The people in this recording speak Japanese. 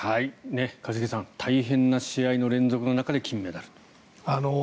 一茂さん、大変な試合の連続の中での金メダル。